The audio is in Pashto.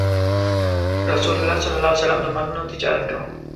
رسول الله ﷺ د مالونو تجارت کاوه.